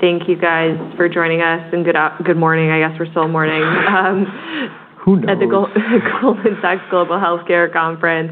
Thank you guys for joining us. Good morning. I guess we're still morning. Who knows? At the Goldman Sachs Annual Global Healthcare Conference.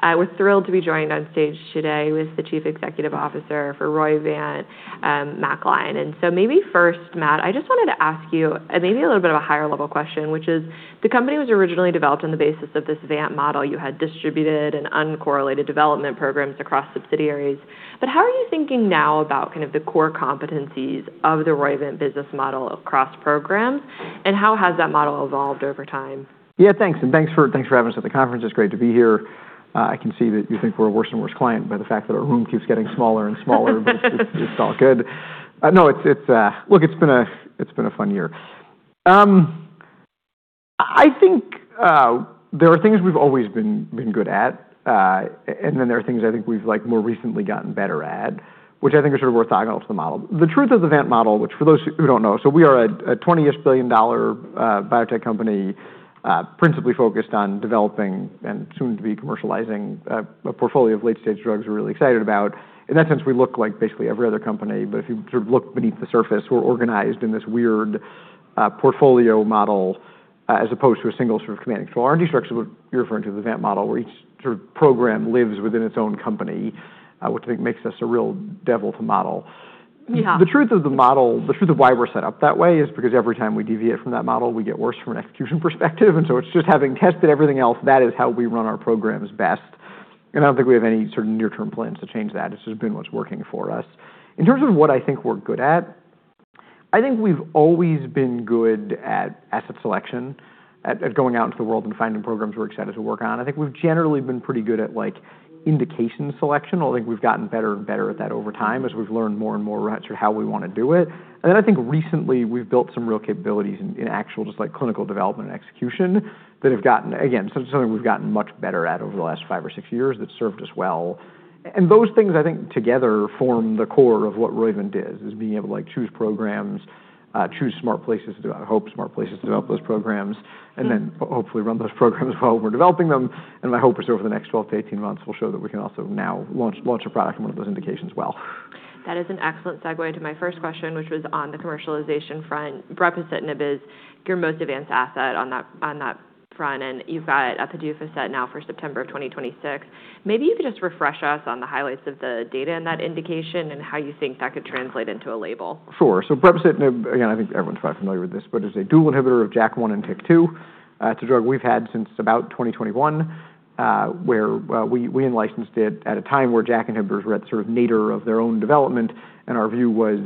We're thrilled to be joined on stage today with the Chief Executive Officer for Roivant, Matt Gline. Maybe first, Matt, I just wanted to ask you maybe a little bit of a higher level question, which is, the company was originally developed on the basis of this Vant model you had distributed, an uncorrelated development programs across subsidiaries. How are you thinking now about the core competencies of the Roivant business model across programs? How has that model evolved over time? Yeah, thanks. Thanks for having us at the conference. It's great to be here. I can see that you think we're a worse and worse client by the fact that our room keeps getting smaller and smaller. It's all good. Look, it's been a fun year. I think there are things we've always been good at. There are things I think we've more recently gotten better at, which I think are sort of orthogonal to the model. The truth of the Vant model, which for those who don't know, we are a $20-ish billion biotech company, principally focused on developing and soon-to-be commercializing a portfolio of late-stage drugs we're really excited about. In that sense, we look like basically every other company, but if you look beneath the surface, we are organized in this weird portfolio model as opposed to a single commanding control R&D structure, what you are referring to as the Vant model, where each program lives within its own company, which I think makes us a real devil to model. Yeah. The truth of the model, the truth of why we are set up that way is because every time we deviate from that model, we get worse from an execution perspective. It is just having tested everything else, that is how we run our programs best. I don't think we have any certain near-term plans to change that. It has just been what is working for us. In terms of what I think we are good at, I think we have always been good at asset selection, at going out into the world and finding programs we are excited to work on. I think we have generally been pretty good at indication selection, although I think we have gotten better and better at that over time as we have learned more and more how we want to do it. I think recently, we have built some real capabilities in actual clinical development and execution that have gotten, again, something we have gotten much better at over the last five or six years that has served us well. Those things, I think, together form the core of what Roivant is being able to choose programs, choose smart places to I hope smart places to develop those programs, and then hopefully run those programs well. We are developing them, and I hope over the next 12 to 18 months, we will show that we can also now launch a product in one of those indications well. That is an excellent segue to my first question, which was on the commercialization front, brepocitinib is your most advanced asset on that front. You have got a PDUFA set now for September of 2026. Maybe you could just refresh us on the highlights of the data in that indication and how you think that could translate into a label. Sure. brepocitinib, again, I think everyone's quite familiar with this, but it's a dual inhibitor of JAK1 and TYK2. It's a drug we've had since about 2021, where we in-licensed it at a time where JAK inhibitors were at the nadir of their own development. Our view was,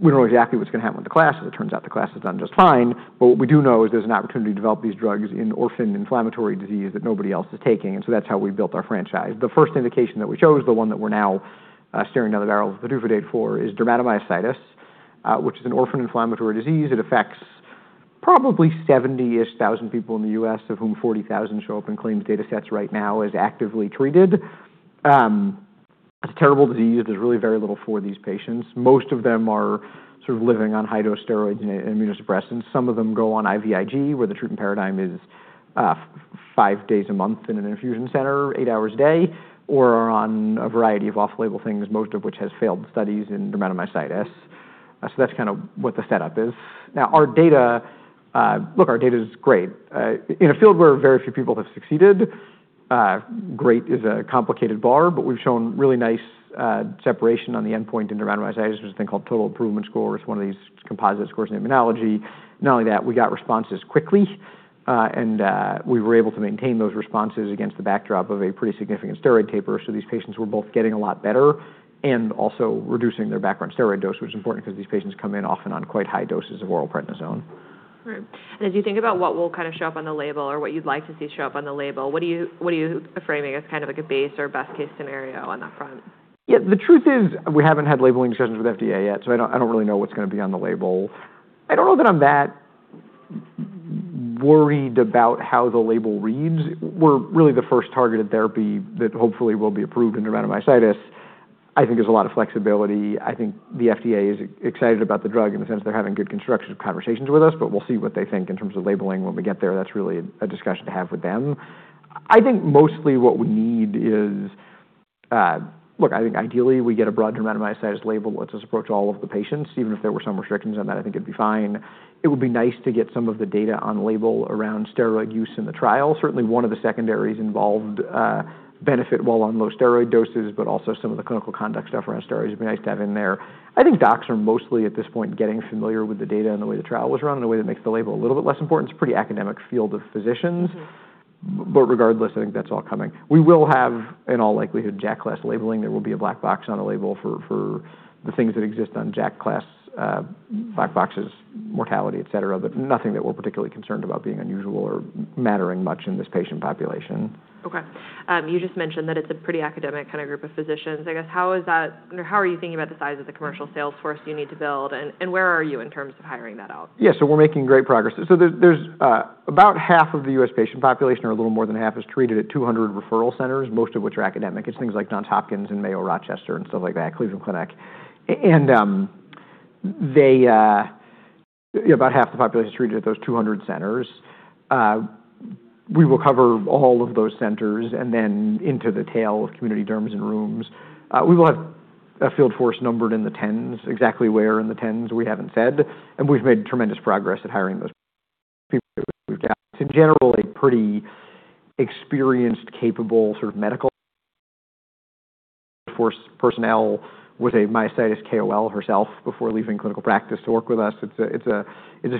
we don't know exactly what's going to happen with the class, as it turns out, the class has done just fine. What we do know is there's an opportunity to develop these drugs in orphan inflammatory disease that nobody else is taking, that's how we built our franchise. The first indication that we chose, the one that we're now staring down the barrel of the PDUFA date for, is dermatomyositis, which is an orphan inflammatory disease. It affects probably 70-ish thousand people in the U.S., of whom 40,000 show up in claims datasets right now as actively treated. It's a terrible disease. There's really very little for these patients. Most of them are living on high-dose steroids and immunosuppressants. Some of them go on IVIG, where the treatment paradigm is five days a month in an infusion center, eight hours a day, or are on a variety of off-label things, most of which has failed studies in dermatomyositis. That's what the setup is. Our data is great. In a field where very few people have succeeded, great is a complicated bar, but we've shown really nice separation on the endpoint in dermatomyositis, which is a thing called Total Improvement Score. It's one of these composite scores in immunology. Not only that, we got responses quickly, we were able to maintain those responses against the backdrop of a pretty significant steroid taper. These patients were both getting a lot better and also reducing their background steroid dose, which is important because these patients come in often on quite high doses of oral prednisone. Right. As you think about what will show up on the label or what you'd like to see show up on the label, what are you framing as a base or best-case scenario on that front? Yeah, the truth is, we haven't had labeling discussions with FDA yet. I don't really know what's going to be on the label. I don't know that I'm that worried about how the label reads. We're really the first targeted therapy that hopefully will be approved in dermatomyositis. I think there's a lot of flexibility. I think the FDA is excited about the drug in the sense they're having good constructive conversations with us. We'll see what they think in terms of labeling when we get there. That's really a discussion to have with them. I think mostly what we need is, look, I think ideally we get a broad dermatomyositis label that lets us approach all of the patients, even if there were some restrictions on that, I think it'd be fine. It would be nice to get some of the data on label around steroid use in the trial. Certainly, one of the secondaries involved benefit while on low steroid doses. Also, some of the clinical conduct stuff around steroids would be nice to have in there. I think docs are mostly, at this point, getting familiar with the data and the way the trial was run, and the way that makes the label a little bit less important. It's a pretty academic field of physicians. Regardless, I think that's all coming. We will have, in all likelihood, JAK-class labeling. There will be a black box on a label for the things that exist on JAK-class black boxes, mortality, et cetera. Nothing that we're particularly concerned about being unusual or mattering much in this patient population. Okay. You just mentioned that it's a pretty academic group of physicians. How are you thinking about the size of the commercial sales force you need to build, and where are you in terms of hiring that out? Yeah, we're making great progress. There's about half of the U.S. patient population, or a little more than half, is treated at 200 referral centers, most of which are academic. It's things like Johns Hopkins and Mayo Clinic and stuff like that, Cleveland Clinic. About half the population is treated at those 200 centers. We will cover all of those centers, and then into the tail of community derms and rheums. We will have a field force numbered in the tens. Exactly where in the tens, we haven't said. We've made tremendous progress at hiring those people that we've got. In general, a pretty experienced, capable sort of medical force personnel with a myositis KOL herself before leaving clinical practice to work with us. It's a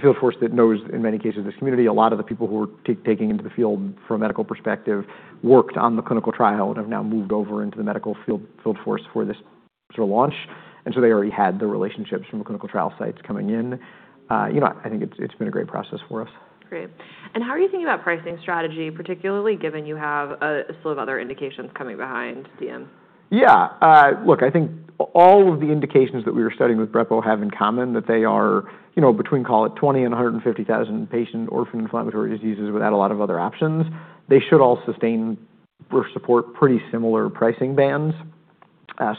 field force that knows, in many cases, this community. A lot of the people who are taking into the field from a medical perspective worked on the clinical trial and have now moved over into the medical field force for this launch. They already had the relationships from the clinical trial sites coming in. I think it's been a great process for us. Great. How are you thinking about pricing strategy, particularly given you have a slew of other indications coming behind DM? Yeah, look, I think all of the indications that we are studying with brepo have in common that they are between, call it 20 and 150,000-patient orphan inflammatory diseases without a lot of other options. They should all sustain or support pretty similar pricing bands. I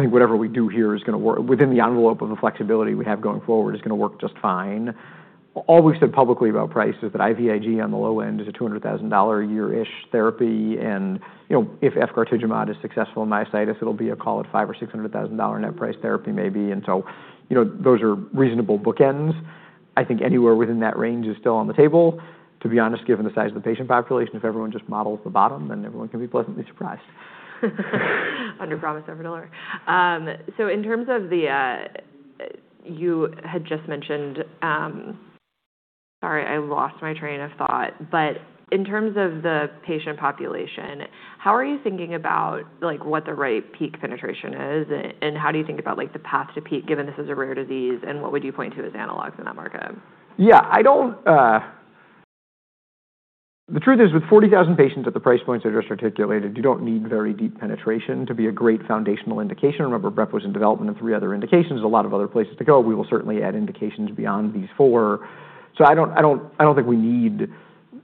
think whatever we do here is, within the envelope of the flexibility we have going forward, is going to work just fine. All we've said publicly about price is that IVIG on the low end is a $200,000 a year-ish therapy, and if fcarotimod is successful in myositis, it'll be a call at $500,000 or $600,000 net price therapy maybe. Those are reasonable bookends. I think anywhere within that range is still on the table. To be honest, given the size of the patient population, if everyone just models the bottom, then everyone can be pleasantly surprised. Underpromise, overdeliver. In terms of the patient population, how are you thinking about what the right peak penetration is, and how do you think about the path to peak, given this is a rare disease, and what would you point to as analogs in that market? Yeah. The truth is, with 40,000 patients at the price points I just articulated, you don't need very deep penetration to be a great foundational indication. Remember, Brepo is in development in three other indications, a lot of other places to go. We will certainly add indications beyond these four. I don't think we need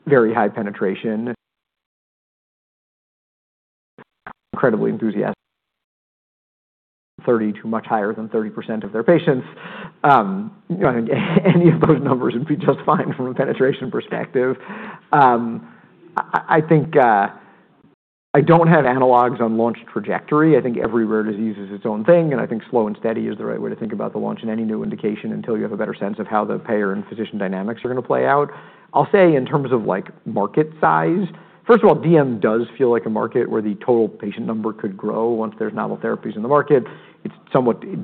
very high penetration. Incredibly enthusiastic, 30%-much higher than 30% of their patients. Any of those numbers would be just fine from a penetration perspective. I don't have analogs on launch trajectory. I think every rare disease is its own thing, and I think slow and steady is the right way to think about the launch in any new indication until you have a better sense of how the payer and physician dynamics are going to play out. I'll say in terms of market size, first of all, DM does feel like a market where the total patient number could grow once there's novel therapies in the market.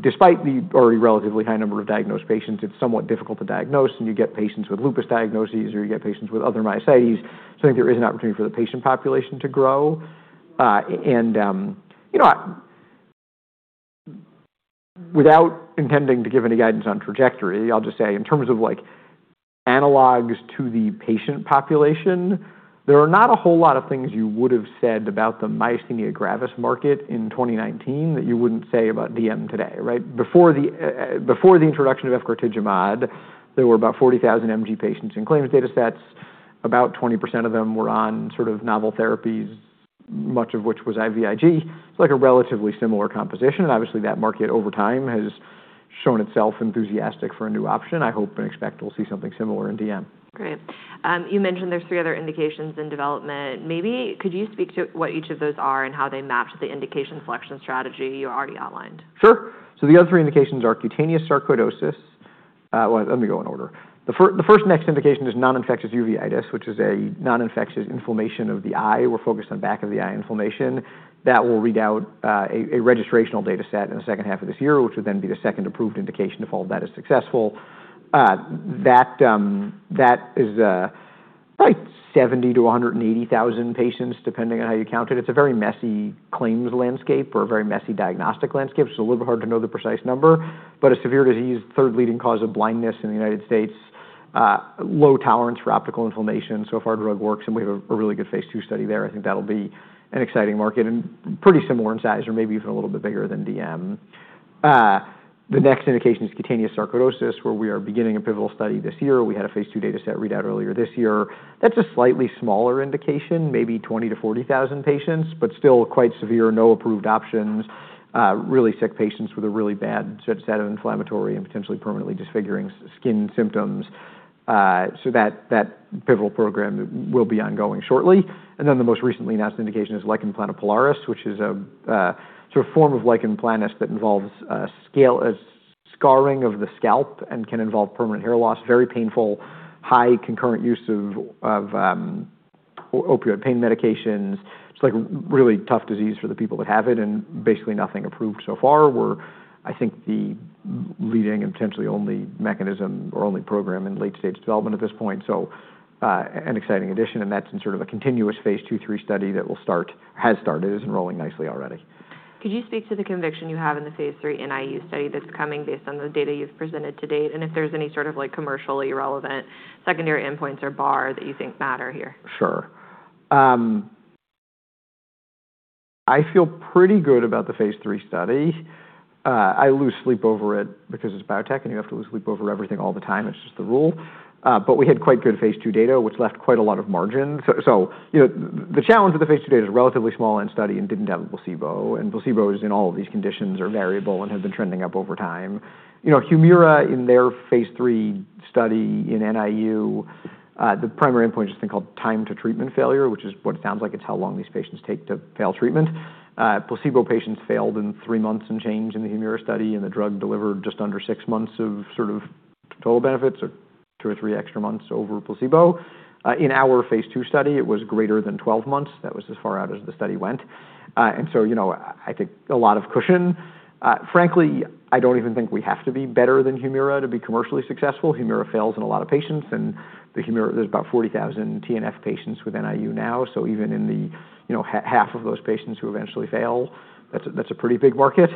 Despite the already relatively high number of diagnosed patients, it's somewhat difficult to diagnose, and you get patients with lupus diagnoses, or you get patients with other myositis. I think there is an opportunity for the patient population to grow. Without intending to give any guidance on trajectory, I'll just say in terms of analogs to the patient population, there are not a whole lot of things you would have said about the Myasthenia Gravis market in 2019 that you wouldn't say about DM today, right? Before the introduction of fcarotimod, there were about 40,000 MG patients in claims datasets. About 20% of them were on sort of novel therapies, much of which was IVIG, a relatively similar composition, obviously that market over time has shown itself enthusiastic for a new option. I hope and expect we'll see something similar in DM. Great. You mentioned there's three other indications in development. Maybe could you speak to what each of those are and how they match the indication selection strategy you already outlined? The other three indications are cutaneous sarcoidosis. Let me go in order. The first next indication is non-infectious uveitis, which is a non-infectious inflammation of the eye. We're focused on back of the eye inflammation. That will read out a registrational dataset in the second half of this year, which would then be the second approved indication if all that is successful. That is probably 70,000-180,000 patients, depending on how you count it. It's a very messy claims landscape or a very messy diagnostic landscape. It's a little bit hard to know the precise number, but a severe disease, third leading cause of blindness in the U.S., low tolerance for optical inflammation. If our drug works, and we have a really good phase II study there, I think that'll be an exciting market and pretty similar in size or maybe even a little bit bigger than DM. The next indication is cutaneous sarcoidosis, where we are beginning a pivotal study this year. We had a phase II dataset readout earlier this year. That's a slightly smaller indication, maybe 20,000-40,000 patients, but still quite severe, no approved options, really sick patients with a really bad set of inflammatory and potentially permanently disfiguring skin symptoms. That pivotal program will be ongoing shortly. The most recently announced indication is Lichen Planopilaris, which is a sort of form of lichen planus that involves scarring of the scalp and can involve permanent hair loss, very painful, high concurrent use of opioid pain medications. It's like a really tough disease for the people that have it, and basically nothing approved so far. We're, I think, the leading and potentially only mechanism or only program in late-stage development at this point, so an exciting addition, and that's in sort of a continuous phase II/III study that will start, has started, is enrolling nicely already. Could you speak to the conviction you have in the phase III NIU study that's coming based on the data you've presented to date, if there's any sort of commercially relevant secondary endpoints or bar that you think matter here? Sure. I feel pretty good about the phase III study. I lose sleep over it because it's biotech. You have to lose sleep over everything all the time. It's just the rule. We had quite good phase II data, which left quite a lot of margin. The challenge with the phase II data is a relatively small end study and didn't have a placebo, and placebos in all of these conditions are variable and have been trending up over time. HUMIRA, in their phase III study in NIU, the primary endpoint was this thing called time to treatment failure, which is what it sounds like. It's how long these patients take to fail treatment. Placebo patients failed in three months and change in the HUMIRA study, the drug delivered just under six months of sort of total benefits or two or three extra months over placebo. In our phase II study, it was greater than 12 months. That was as far out as the study went. I take a lot of cushion. Frankly, I don't even think we have to be better than HUMIRA to be commercially successful. HUMIRA fails in a lot of patients, there's about 40,000 TNF patients with NIU now, so even in the half of those patients who eventually fail, that's a pretty big market.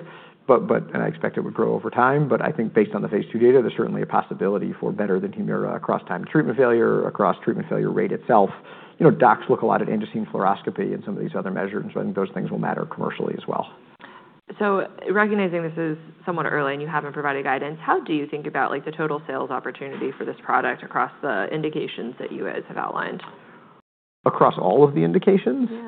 I expect it would grow over time, I think based on the phase II data, there's certainly a possibility for better than HUMIRA across time to treatment failure, across treatment failure rate itself. Docs look a lot at fluorescein angiography and some of these other measures, I think those things will matter commercially as well. Recognizing this is somewhat early and you haven't provided guidance, how do you think about the total sales opportunity for this product across the indications that you guys have outlined? Across all of the indications? Yeah.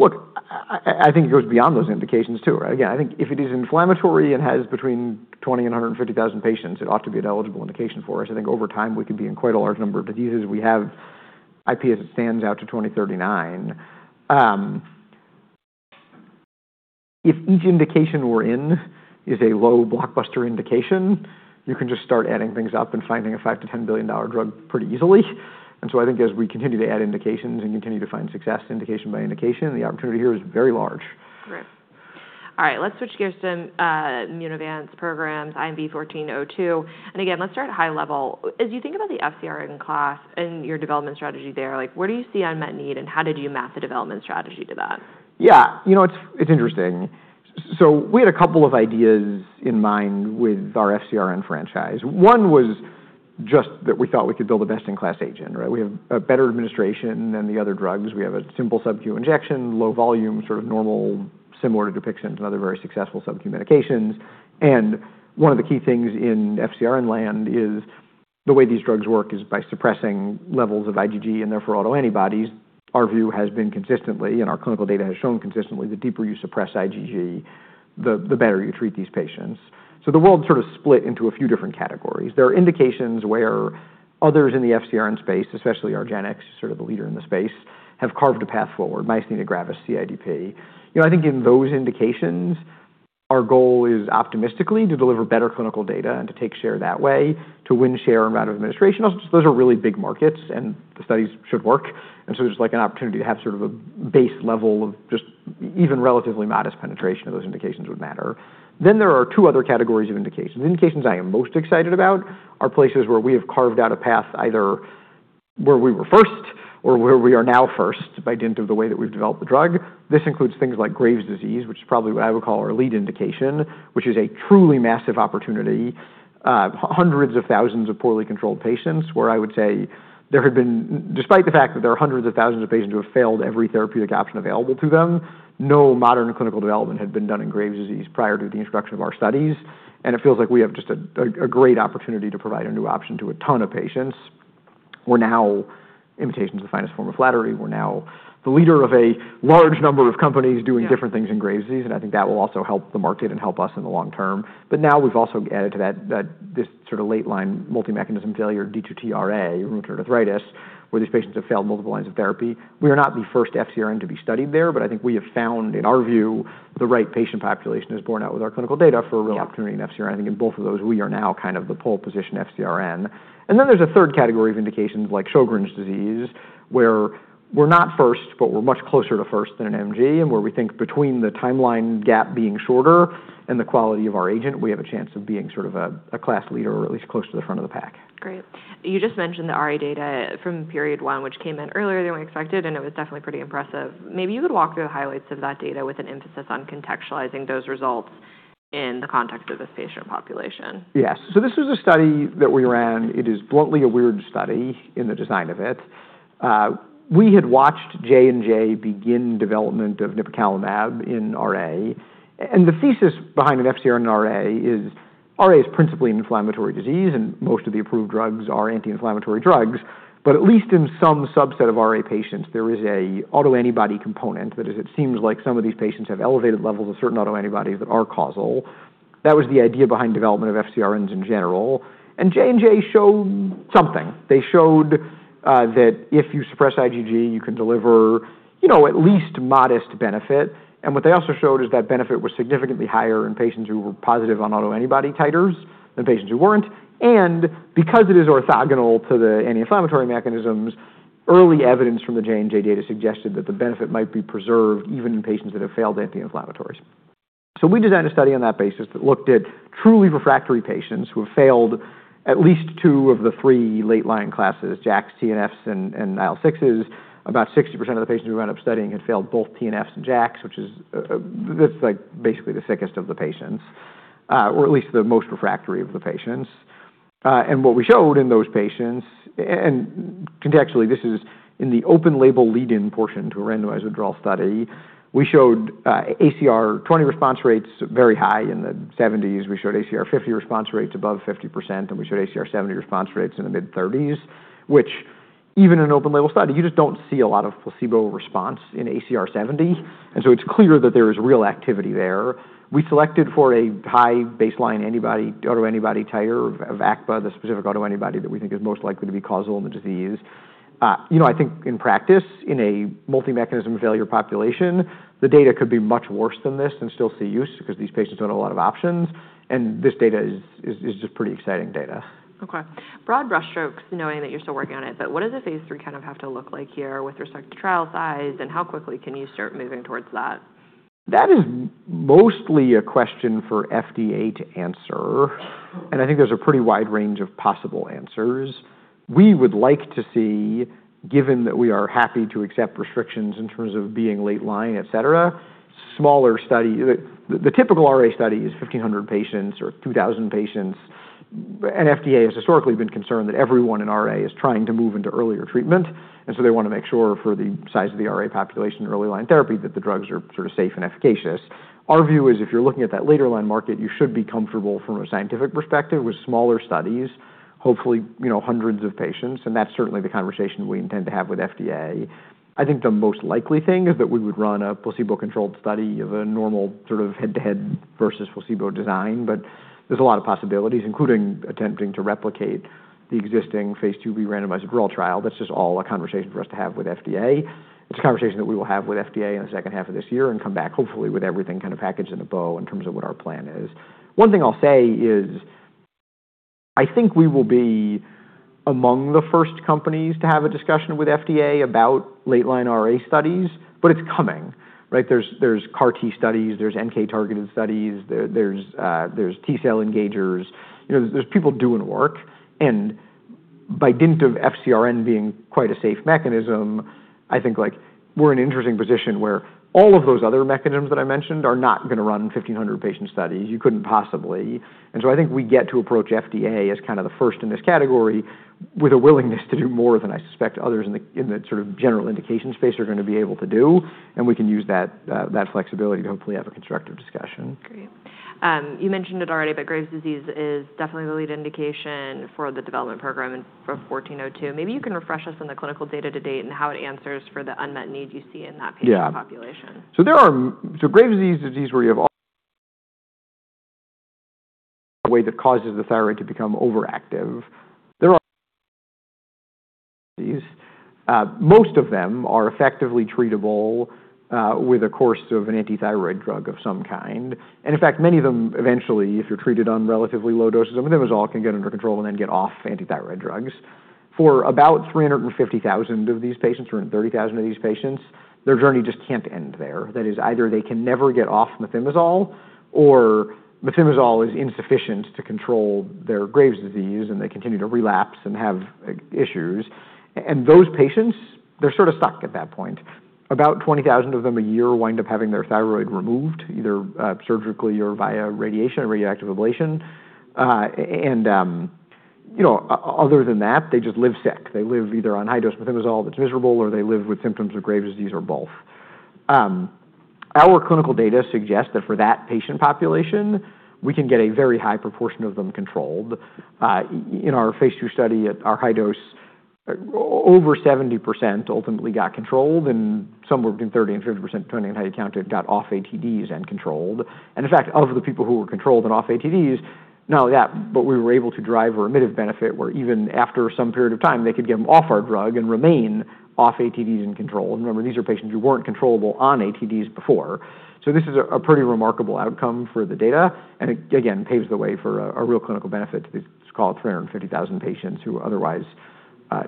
I think it goes beyond those indications, too, right? Again, I think if it is inflammatory and has between 20 and 150,000 patients, it ought to be an eligible indication for us. I think over time we could be in quite a large number of diseases. We have IP as it stands out to 2039. If each indication we're in is a low blockbuster indication, you can just start adding things up and finding a $5 billion-$10 billion drug pretty easily. I think as we continue to add indications and continue to find success indication by indication, the opportunity here is very large. Great. All right, let's switch gears to Immunovant programs, IMVT-1402. Again, let's start high level. As you think about the FcRN class and your development strategy there, where do you see unmet need, how did you map the development strategy to that? Yeah. It's interesting. We had a couple of ideas in mind with our FcRN franchise. One was just that we thought we could build a best-in-class agent, right? We have a better administration than the other drugs. We have a simple subcu injection, low volume, sort of normal, similar to Dupixent and other very successful subcu medications. One of the key things in FcRN land is the way these drugs work is by suppressing levels of IgG and therefore autoantibodies. Our view has been consistently, our clinical data has shown consistently, the deeper you suppress IgG, the better you treat these patients. The world's sort of split into a few different categories. There are indications where others in the FcRN space, especially argenx, sort of the leader in the space, have carved a path forward, Myasthenia Gravis, CIDP. I think in those indications, our goal is optimistically to deliver better clinical data and to take share that way, to win share amount of administration. Those are really big markets, and the studies should work, there's an opportunity to have sort of a base level of just even relatively modest penetration of those indications would matter. There are two other categories of indications. The indications I am most excited about are places where we have carved out a path either where we were first or where we are now first by dint of the way that we've developed the drug. This includes things like Graves' disease, which is probably what I would call our lead indication, which is a truly massive opportunity. Hundreds of thousands of poorly controlled patients where I would say there have been, despite the fact that there are hundreds of thousands of patients who have failed every therapeutic option available to them, no modern clinical development had been done in Graves' disease prior to the introduction of our studies, it feels like we have just a great opportunity to provide a new option to a ton of patients. We're now invitations, the finest form of flattery. We're now the leader of a large number of companies doing different things in Graves' disease, I think that will also help the market and help us in the long term. Now we've also added to that this sort of late-line multi-mechanism failure, D2T RA, Rheumatoid Arthritis, where these patients have failed multiple lines of therapy. We are not the first FcRN to be studied there, I think we have found, in our view, the right patient population is borne out with our clinical data for a real opportunity in FcRN. I think in both of those, we are now kind of the pole position FcRN. There's a third category of indications like Sjögren's disease, where we're not first, but we're much closer to first than an MG, where we think between the timeline gap being shorter and the quality of our agent, we have a chance of being sort of a class leader or at least close to the front of the pack. Great. You just mentioned the RA data from period one, which came in earlier than we expected, it was definitely pretty impressive. Maybe you could walk through the highlights of that data with an emphasis on contextualizing those results in the context of this patient population. Yes. This was a study that we ran. It is bluntly a weird study in the design of it. We had watched J&J begin development of Nipocalimab in RA. The thesis behind an FcRN RA is RA is principally an inflammatory disease, and most of the approved drugs are anti-inflammatory drugs. At least in some subset of RA patients, there is a autoantibody component. That is, it seems like some of these patients have elevated levels of certain autoantibodies that are causal. That was the idea behind development of FcRNs in general. J&J showed something. They showed that if you suppress IgG, you can deliver at least modest benefit. What they also showed is that benefit was significantly higher in patients who were positive on autoantibody titers than patients who weren't, and because it is orthogonal to the anti-inflammatory mechanisms, early evidence from the J&J data suggested that the benefit might be preserved even in patients that have failed anti-inflammatories. We designed a study on that basis that looked at truly refractory patients who have failed at least two of the three late line classes, JAKs, TNFs, and IL-6s. About 60% of the patients we wound up studying had failed both TNFs and JAKs, which is basically the sickest of the patients, or at least the most refractory of the patients. What we showed in those patients, and contextually, this is in the open label lead-in portion to a randomized withdrawal study, we showed ACR20 response rates very high in the 70s. We showed ACR50 response rates above 50%, and we showed ACR70 response rates in the mid-30s, which even in an open label study, you just don't see a lot of placebo response in ACR 70. It's clear that there is real activity there. We selected for a high baseline antibody, autoantibody titer of ACPA, the specific autoantibody that we think is most likely to be causal in the disease. I think in practice, in a multi-mechanism failure population, the data could be much worse than this and still see use because these patients don't have a lot of options, and this data is just pretty exciting data. Okay. Broad brush strokes, knowing that you're still working on it, what does the phase III have to look like here with respect to trial size, and how quickly can you start moving towards that? That is mostly a question for FDA to answer, and I think there's a pretty wide range of possible answers. We would like to see, given that we are happy to accept restrictions in terms of being late-line, et cetera, smaller study. The typical RA study is 1,500 patients or 2,000 patients, and FDA has historically been concerned that everyone in RA is trying to move into earlier treatment. They want to make sure for the size of the RA population in early-line therapy that the drugs are safe and efficacious. Our view is if you're looking at that later-line market, you should be comfortable from a scientific perspective with smaller studies, hopefully hundreds of patients, and that's certainly the conversation we intend to have with FDA. I think the most likely thing is that we would run a placebo-controlled study of a normal head-to-head versus placebo design. There's a lot of possibilities, including attempting to replicate the existing phase II-B randomized withdrawal trial. That's just all a conversation for us to have with FDA. It's a conversation that we will have with FDA in the second half of this year and come back hopefully with everything packaged in a bow in terms of what our plan is. One thing I'll say is, I think we will be among the first companies to have a discussion with FDA about late-line RA studies. It's coming. There's CAR T studies, there's NK-targeted studies, there's T-cell engagers. There's people doing work, and by dint of FcRN being quite a safe mechanism, I think we're in an interesting position where all of those other mechanisms that I mentioned are not going to run 1,500-patient studies. You couldn't possibly. I think we get to approach FDA as the first in this category with a willingness to do more than I suspect others in the general indication space are going to be able to do. We can use that flexibility to hopefully have a constructive discussion. Great. You mentioned it already. Graves' disease is definitely the lead indication for the development program for 1402. Maybe you can refresh us on the clinical data to date and how it answers for the unmet need you see in that patient population. Graves' disease is a disease where you have a way that causes the thyroid to become overactive. There are disease. Most of them are effectively treatable with a course of an antithyroid drug of some kind. In fact, many of them, eventually, if you're treated on relatively low doses of methimazole, can get under control and then get off antithyroid drugs. For about 350,000 of these patients, or 330,000 of these patients, their journey just can't end there. That is, either they can never get off methimazole, or methimazole is insufficient to control their Graves' disease and they continue to relapse and have issues. Those patients, they're sort of stuck at that point. About 20,000 of them a year wind up having their thyroid removed, either surgically or via radiation or radioactive ablation. Other than that, they just live sick. They live either on high-dose methimazole that's miserable, or they live with symptoms of Graves' disease, or both. Our clinical data suggests that for that patient population, we can get a very high proportion of them controlled. In our phase II study at our high dose, over 70% ultimately got controlled, and somewhere between 30% and 50%, depending on how you count it, got off ATDs and controlled. In fact, of the people who were controlled and off ATDs, not only that, but we were able to drive a remittive benefit where even after some period of time, they could get them off our drug and remain off ATDs and controlled. Remember, these are patients who weren't controllable on ATDs before. This is a pretty remarkable outcome for the data, and again, paves the way for a real clinical benefit to these 350,000 patients who otherwise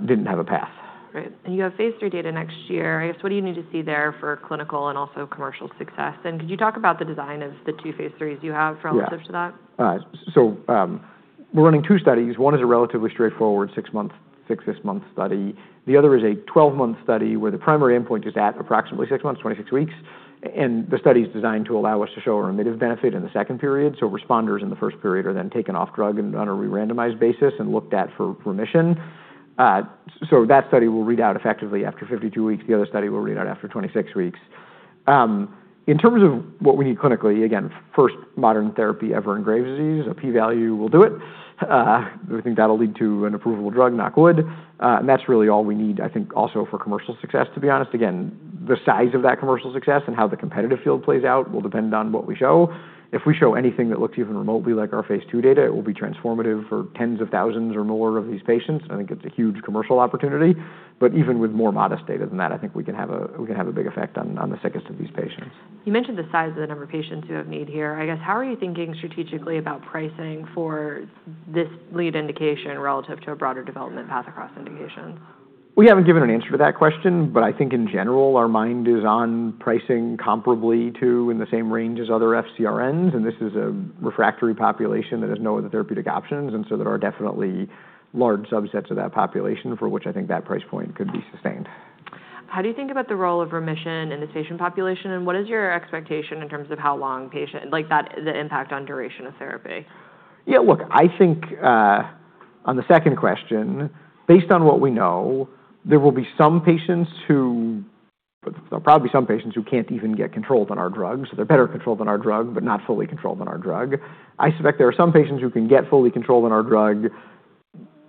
didn't have a path. Right. You have phase III data next year. What do you need to see there for clinical and also commercial success? Could you talk about the design of the two phase IIIs you have relative to that? We're running two studies. One is a relatively straightforward six-week, six-month study. The other is a 12-month study where the primary endpoint is at approximately six months, 26 weeks, and the study is designed to allow us to show a remittive benefit in the second period. Responders in the first period are then taken off drug and on a re-randomized basis and looked at for remission. That study will read out effectively after 52 weeks. The other study will read out after 26 weeks. In terms of what we need clinically, again, first modern therapy ever in Graves' disease, a P value will do it. We think that'll lead to an approvable drug, knock wood. That's really all we need, I think, also for commercial success, to be honest. Again, the size of that commercial success and how the competitive field plays out will depend on what we show. If we show anything that looks even remotely like our phase II data, it will be transformative for tens of thousands or more of these patients, and I think it's a huge commercial opportunity. Even with more modest data than that, I think we can have a big effect on the sickest of these patients. You mentioned the size of the number of patients who have need here. I guess, how are you thinking strategically about pricing for this lead indication relative to a broader development path across indications? We haven't given an answer to that question, but I think in general, our mind is on pricing comparably to in the same range as other FcRNs, and this is a refractory population that has no other therapeutic options, and so there are definitely large subsets of that population for which I think that price point could be sustained. How do you think about the role of remission in this patient population, and what is your expectation in terms of how long the impact on duration of therapy? Yeah, look, I think on the second question, based on what we know, there will probably be some patients who can't even get controlled on our drugs. They're better controlled on our drug, but not fully controlled on our drug. I suspect there are some patients who can get fully controlled on our drug,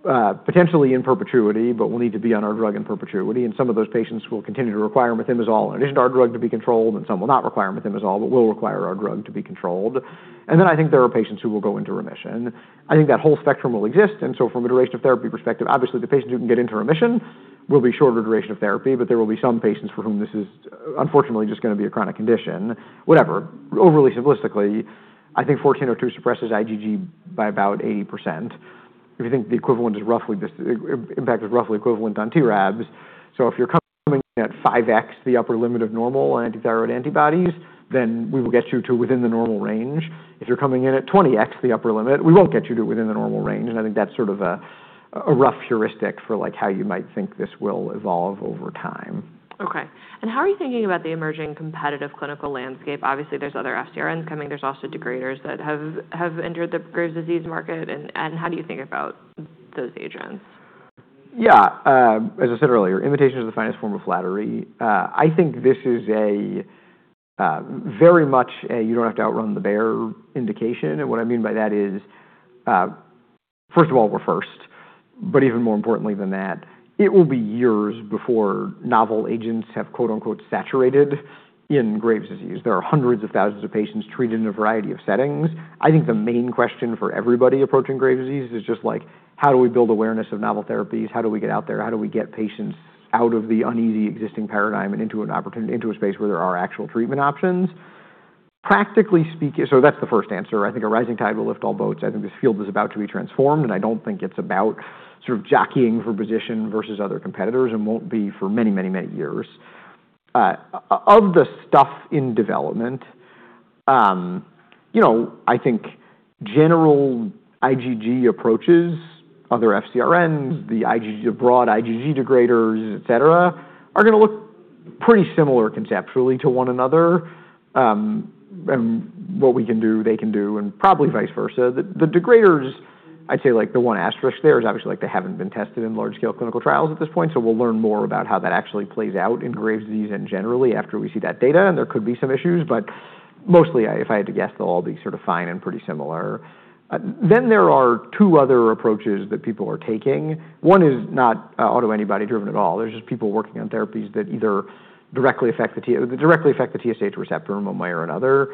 potentially in perpetuity, but will need to be on our drug in perpetuity, and some of those patients will continue to require methimazole in addition to our drug to be controlled, and some will not require methimazole but will require our drug to be controlled. Then I think there are patients who will go into remission. I think that whole spectrum will exist, and so from a duration of therapy perspective, obviously, the patients who can get into remission will be shorter duration of therapy, but there will be some patients for whom this is unfortunately just going to be a chronic condition. Whatever. Overly simplistically, I think 1402 suppresses IgG by about 80%. If you think the impact is roughly equivalent on TRAbs, so if you're coming in at 5x the upper limit of normal anti-thyroid antibodies, then we will get you to within the normal range. If you're coming in at 20x the upper limit, we won't get you to within the normal range, and I think that's sort of a rough heuristic for how you might think this will evolve over time. Okay. How are you thinking about the emerging competitive clinical landscape? Obviously, there's other FcRNs coming. There's also degraders that have entered the Graves' disease market, and how do you think about those agents? As I said earlier, imitation is the finest form of flattery. I think this is very much a you-don't-have-to-outrun-the-bear indication, and what I mean by that is, first of all, we're first, but even more importantly than that, it will be years before novel agents have "saturated" in Graves' disease. There are hundreds of thousands of patients treated in a variety of settings. I think the main question for everybody approaching Graves' disease is just how do we build awareness of novel therapies? How do we get out there? How do we get patients out of the uneasy existing paradigm and into a space where there are actual treatment options? That's the first answer. I think a rising tide will lift all boats. I think this field is about to be transformed, and I don't think it's about sort of jockeying for position versus other competitors and won't be for many years. Of the stuff in development, I think general IgG approaches, other FcRNs, the broad IgG degraders, et cetera, are going to look pretty similar conceptually to one another, and what we can do, they can do, and probably vice versa. The degraders, I'd say the one asterisk there is obviously they haven't been tested in large-scale clinical trials at this point, so we'll learn more about how that actually plays out in Graves' disease and generally after we see that data, and there could be some issues, but mostly, if I had to guess, they'll all be sort of fine and pretty similar. There are two other approaches that people are taking. One is not autoantibody driven at all. There's just people working on therapies that either directly affect the TSH receptor in one way or another.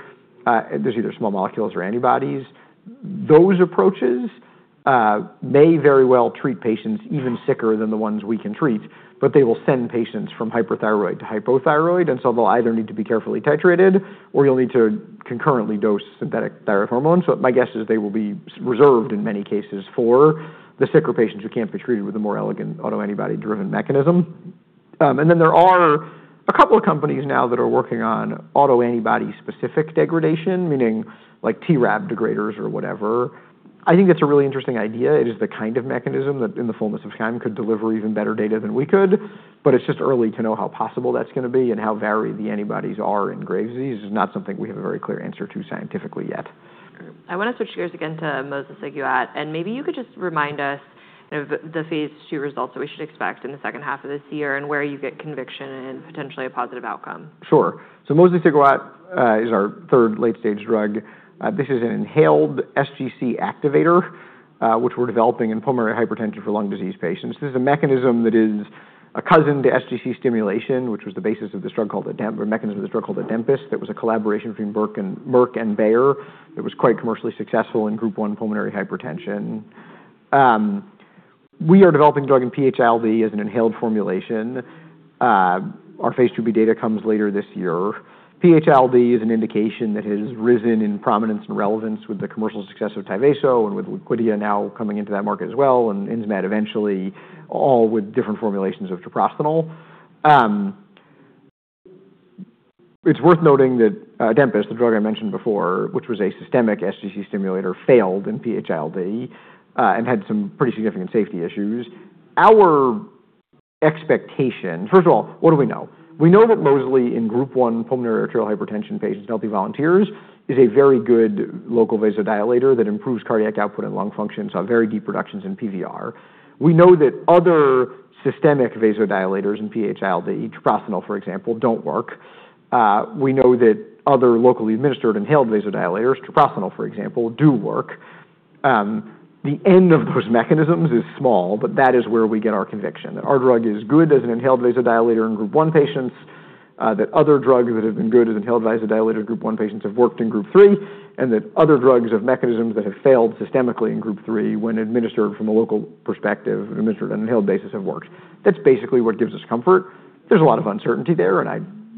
There's either small molecules or antibodies. Those approaches may very well treat patients even sicker than the ones we can treat, but they will send patients from hyperthyroid to hypothyroid, and so they'll either need to be carefully titrated, or you'll need to concurrently dose synthetic thyroid hormone. My guess is they will be reserved in many cases for the sicker patients who can't be treated with a more elegant autoantibody-driven mechanism. Then there are a couple of companies now that are working on autoantibody-specific degradation, meaning TRab degraders or whatever. I think that's a really interesting idea. It is the kind of mechanism that, in the fullness of time, could deliver even better data than we could, but it's just early to know how possible that's going to be and how varied the antibodies are in Graves' disease. It's not something we have a very clear answer to scientifically yet. I want to switch gears again to mosliciguat, maybe you could just remind us of the phase II results that we should expect in the second half of this year and where you get conviction in potentially a positive outcome. Sure. mosliciguat is our third late-stage drug. This is an inhaled sGC activator, which we're developing in pulmonary hypertension for lung disease patients. This is a mechanism that is a cousin to sGC stimulation, which was the basis of this drug called Adempas. That was a collaboration between Merck and Bayer that was quite commercially successful in Group 1 pulmonary hypertension. We are developing the drug in PH-ILD as an inhaled formulation. Our phase II-B data comes later this year. PH-ILD is an indication that has risen in prominence and relevance with the commercial success of TYVASO and with Liquidia now coming into that market as well, and Insmed eventually, all with different formulations of treprostinil. It's worth noting that Adempas, the drug I mentioned before, which was a systemic sGC stimulator, failed in PH-ILD and had some pretty significant safety issues. First of all, what do we know? We know that mosliciguat in Group 1 pulmonary arterial hypertension patients and healthy volunteers is a very good local vasodilator that improves cardiac output and lung function, saw very deep reductions in PVR. We know that other systemic vasodilators in PH-ILD, treprostinil, for example, don't work. We know that other locally administered inhaled vasodilators, treprostinil, for example, do work. The end of those mechanisms is small, but that is where we get our conviction, that our drug is good as an inhaled vasodilator in Group 1 patients, that other drugs that have been good as inhaled vasodilators in Group 1 patients have worked in Group 3, that other drugs of mechanisms that have failed systemically in Group 3 when administered from a local perspective, administered on an inhaled basis, have worked. That's basically what gives us comfort. There's a lot of uncertainty there,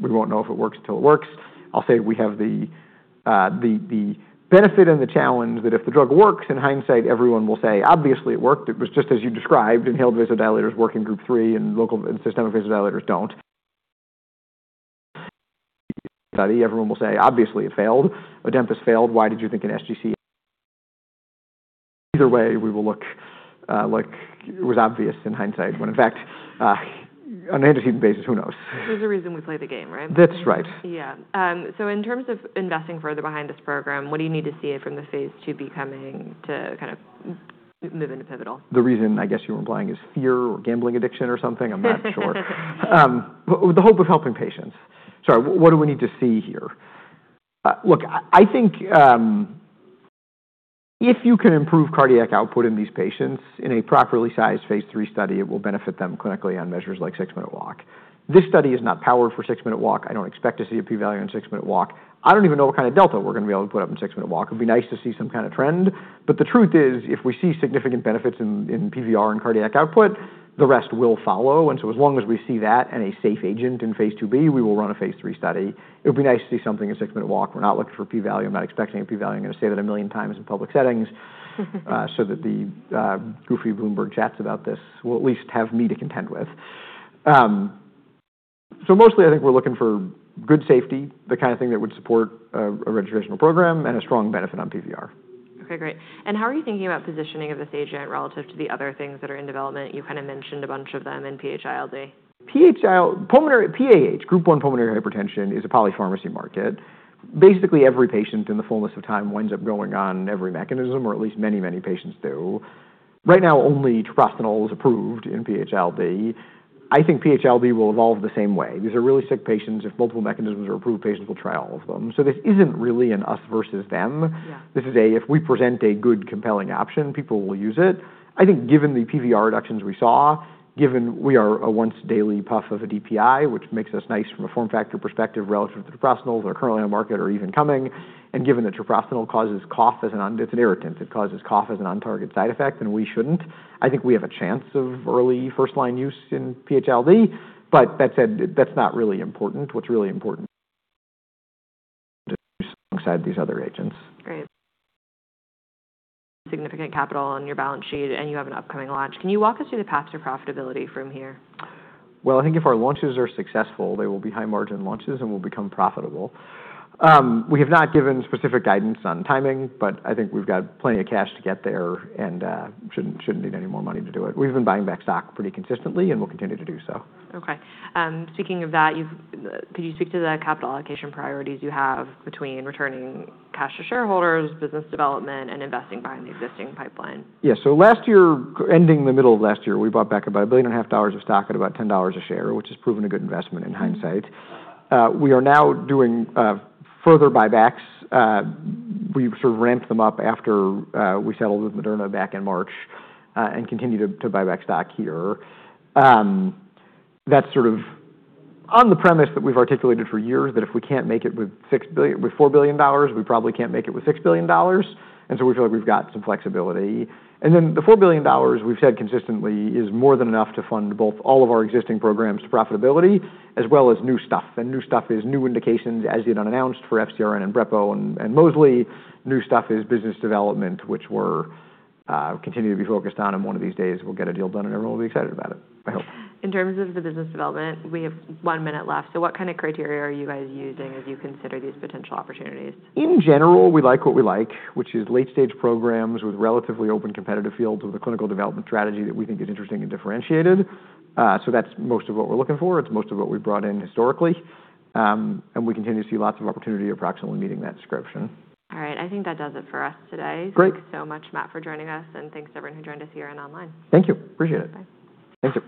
we won't know if it works until it works. I'll say we have the benefit and the challenge that if the drug works, in hindsight, everyone will say, "Obviously, it worked. It was just as you described. Inhaled vasodilators work in Group 3, and systemic vasodilators don't." Everyone will say, "Obviously, it failed. Adempas failed. Why did you think an sGC?" Either way, we will look like it was obvious in hindsight, when in fact, on an antecedent basis, who knows? There's a reason we play the game, right? That's right. In terms of investing further behind this program, what do you need to see from the phase IIb coming to move into pivotal? The reason, I guess you were implying, is fear or gambling addiction or something. I'm not sure. With the hope of helping patients. Sorry, what do we need to see here? Look, I think if you can improve cardiac output in these patients in a properly sized phase III study, it will benefit them clinically on measures like six-minute walk. This study is not powered for six-minute walk. I don't expect to see a P value on six-minute walk. I don't even know what kind of delta we're going to be able to put up in six-minute walk. It'd be nice to see some kind of trend. The truth is, if we see significant benefits in PVR and cardiac output, the rest will follow. As long as we see that and a safe agent in phase IIb, we will run a phase III study. It would be nice to see something in six-minute walk. We're not looking for a P value. I'm not expecting a P value. I'm going to say that a million times in public settings- that the goofy Bloomberg chats about this will at least have me to contend with. Mostly, I think we're looking for good safety, the kind of thing that would support a registrational program, and a strong benefit on PVR. Okay, great. How are you thinking about positioning of this agent relative to the other things that are in development? You mentioned a bunch of them in PH-ILD. PAH, Group 1 Pulmonary Hypertension, is a polypharmacy market. Basically, every patient, in the fullness of time, winds up going on every mechanism, or at least many patients do. Right now, only treprostinil is approved in PH-ILD. I think PH-ILD will evolve the same way. These are really sick patients. If multiple mechanisms are approved, patients will try all of them. This isn't really an us versus them. Yeah. This is a if we present a good, compelling option, people will use it. I think given the PVR reductions we saw, given we are a once-daily puff of a DPI, which makes us nice from a form factor perspective relative to treprostinil that are currently on market or even coming, and given that treprostinil causes cough as it's an irritant. It causes cough as a non-target side effect, and we shouldn't. I think we have a chance of early first-line use in PH-ILD, that said, that's not really important. What's really important is alongside these other agents. Great. Significant capital on your balance sheet, and you have an upcoming launch. Can you walk us through the path to profitability from here? Well, I think if our launches are successful, they will be high-margin launches and will become profitable. We have not given specific guidance on timing, but I think we've got plenty of cash to get there and shouldn't need any more money to do it. We've been buying back stock pretty consistently, and we'll continue to do so. Okay. Speaking of that, could you speak to the capital allocation priorities you have between returning cash to shareholders, business development, and investing behind the existing pipeline? Yeah. Last year, ending the middle of last year, we bought back about a billion and a half dollars of stock at about $10 a share, which has proven a good investment in hindsight. We are now doing further buybacks. We sort of ramped them up after we settled with Moderna back in March, and continue to buy back stock here. That's sort of on the premise that we've articulated for years, that if we can't make it with $4 billion, we probably can't make it with $6 billion, and so we feel like we've got some flexibility. The $4 billion, we've said consistently, is more than enough to fund both all of our existing programs to profitability, as well as new stuff. New stuff is new indications, as yet unannounced, for FcRN and brepo, and mostly new stuff is business development, which we continue to be focused on, and one of these days, we'll get a deal done and everyone will be excited about it, I hope. In terms of the business development, we have one minute left, so what kind of criteria are you guys using as you consider these potential opportunities? In general, we like what we like, which is late-stage programs with relatively open competitive fields with a clinical development strategy that we think is interesting and differentiated. That's most of what we're looking for. It's most of what we've brought in historically. We continue to see lots of opportunity approximately meeting that description. All right. I think that does it for us today. Great. Thanks so much, Matt, for joining us, and thanks to everyone who joined us here and online. Thank you. Appreciate it. Bye. Thanks, everyone.